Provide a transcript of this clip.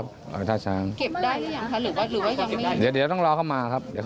เขาเชื่อได้ไงว่าเก็บได้ออก